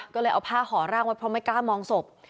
ก็เลยเอาผ้าห่อร่างไว้เพราะไม่กล้ามองศพ